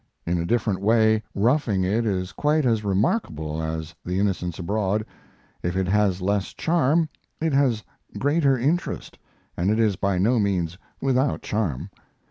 In a different way 'Roughing It' is quite as remarkable as 'The Innocents Abroad.' If it has less charm, it has greater interest, and it is by no means without charm.